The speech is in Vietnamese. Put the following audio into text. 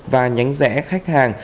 và nhánh rẽ khách hàng